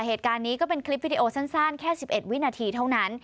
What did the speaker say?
เหตุการณ์นี้ก็เป็นคลิปวิดีโอสั้นแค่๑๑วินาทีเท่านั้น